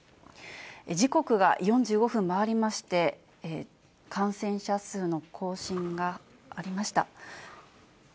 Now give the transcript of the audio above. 時刻が４５分回りまして、感染者数の更新がありました。